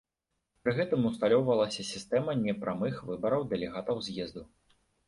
Пры гэтым усталёўвалася сістэма непрамых выбараў дэлегатаў з'езду.